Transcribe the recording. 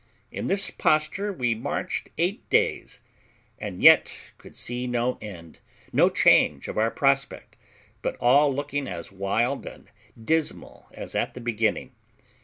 In this posture we marched eight days, and yet could see no end, no change of our prospect, but all looking as wild and dismal as at the beginning.